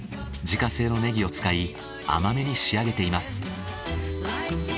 自家製のネギを使い甘めに仕上げています。